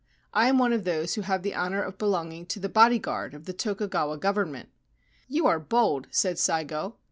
I am one of those who have the honour of belonging to the bodyguard of the Tokugawa Government.' ' You are bold,' said Saigo.